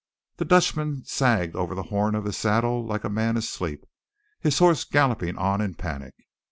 The Dutchman sagged over the horn of his saddle like a man asleep, his horse galloping on in panic.